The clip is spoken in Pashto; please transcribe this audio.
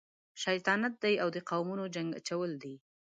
شیطانت دی او د قومونو جنګ اچول دي.